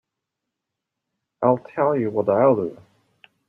I'll tell you what I'll do.